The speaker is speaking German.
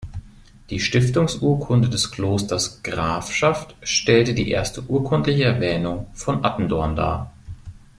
Die Stiftungsurkunde des Klosters Grafschaft stellt die erste urkundliche Erwähnung von Attendorn dar.